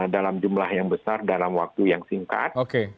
dalam jumlah yang besar dalam waktu yang singkat